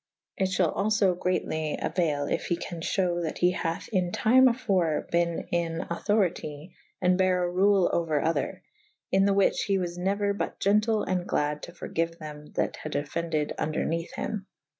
It fhall alfo greatly auayle yf he can fhewe that he hath in tyme afore ben in auctoritie and bare a rule ouer other / in the whiche he was neuer but gentyll and glad to forgyue thew that had offended vnderneth hym.